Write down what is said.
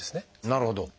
なるほど。